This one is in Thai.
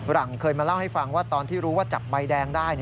หลังเคยมาเล่าให้ฟังว่าตอนที่รู้ว่าจับใบแดงได้